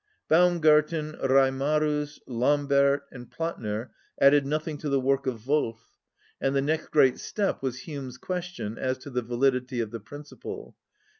Baumgarten, Reimarus, Lambert, and Platner added nothing to the work of Wolff, and the next great step was Hume's question as to the validity of the principle.